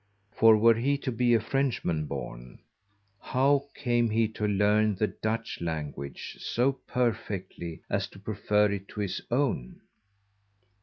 For were he to be a_ French man born, how came he to learn the Dutch _language so perfectly as to prefer it to his own?